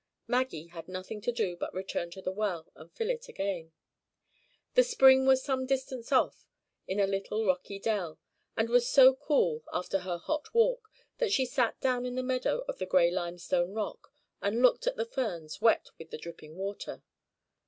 Maggie had nothing to do but return to the well, and fill it again. The spring was some distance off, in a little rocky dell. It was so cool after her hot walk, that she sat down in the shadow of the gray limestone rock, and looked at the ferns, wet with the dripping water.